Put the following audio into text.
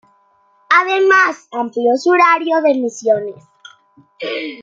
Además, amplió su horario de emisiones.